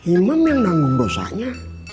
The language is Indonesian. imam yang menanggung dosanya